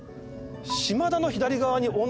島田の左側に女の人が。